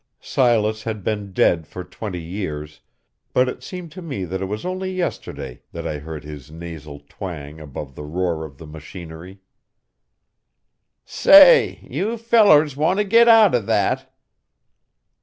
Silas had been dead for twenty years, but it seemed to me that it was only yesterday that I heard his nasal twang above the roar of the machinery: "Sa ay, you fellers want to git out o' that!"